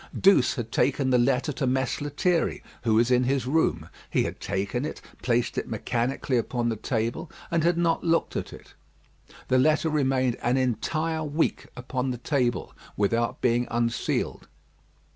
Douce had taken the letter to Mess Lethierry, who was in his room. He had taken it, placed it mechanically upon the table, and had not looked at it. The letter remained an entire week upon the table without being unsealed.